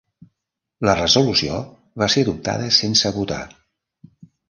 La resolució va ser adoptada sense votar.